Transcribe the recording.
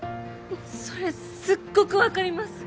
それすっごく分かります！